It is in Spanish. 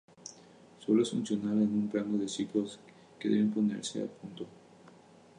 Solo es funcional en un rango de ciclos que deben ponerse a punto.